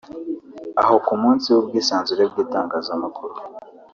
aho ku munsi w’ubwisanzure bw’itangazamakuru